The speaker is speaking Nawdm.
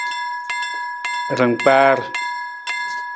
Rangkpaar.